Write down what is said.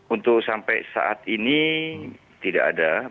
untuk sampai saat ini tidak ada